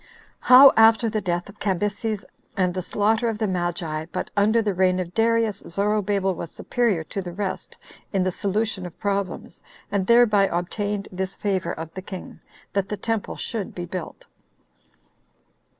How After The Death Of Cambyses And The Slaughter Of The Magi But Under The Reign Of Darius, Zorobabel Was Superior To The Rest In The Solution Of Problems And Thereby Obtained This Favor Of The King, That The Temple Should Be Built.